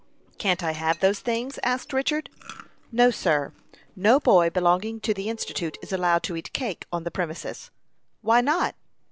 "Can't I have those things?" asked Richard. "No, sir; no boy belonging to the Institute is allowed to eat cake on the premises." "Why not?"